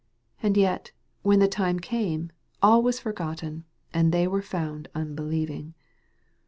And yet, when the time came, all was forgotten, and they were found unbelieving.